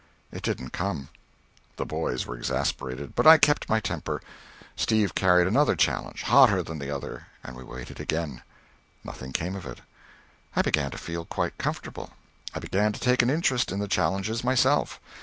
It didn't come. The boys were exasperated, but I kept my temper. Steve carried another challenge, hotter than the other, and we waited again. Nothing came of it. I began to feel quite comfortable. I began to take an interest in the challenges myself.